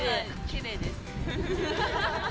きれいです。